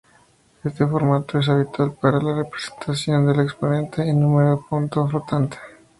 Este formato es habitual para la representación del exponente en números en punto flotante.